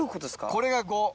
これが５。